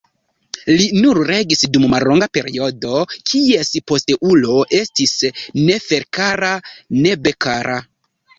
Li nur regis dum mallonga periodo, kies posteulo estis Neferkara-Nebkara.